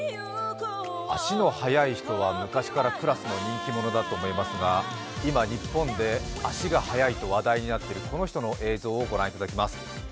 足の速い人は昔からクラスの人気者だと思いますが今、日本で足が速いと話題になっているこの人の映像をご覧いただきます。